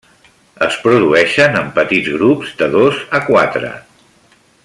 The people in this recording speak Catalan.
Es produeixen en petits grups de dos a quatre.